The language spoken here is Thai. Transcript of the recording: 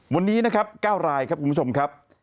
วันนี้นะครับ๙รายครับคุณผู้ชมครับ